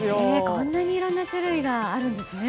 こんなにいろんな種類があるんですね。